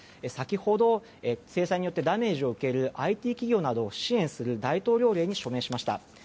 先ほど制裁によってダメージを受けるＩＴ企業などを支援する大統領令に署名しました。